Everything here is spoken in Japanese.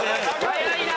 早いな。